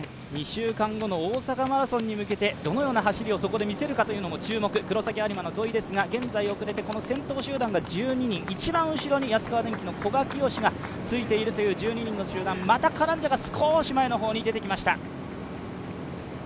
２週間後の大阪マラソンに向けて、どのような走りをそこで見せるかも注目黒崎播磨の土井ですが、現在遅れて先頭集団の１２人、後ろに安川電機の古賀淳紫がついているという１２人の集団、またカランジャが少し前の方に出てきました。